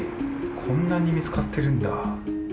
こんなに見つかってるんだ。